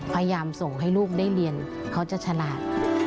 พยายามส่งให้ลูกได้เรียนเขาจะฉลาด